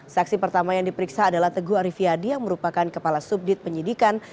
saksi pertama yang diperiksa adalah teguh arifyadi yang merupakan kepala subdit penyidikan